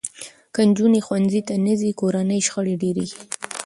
که نجونې ښوونځي ته نه ځي، کورني شخړې ډېرېږي.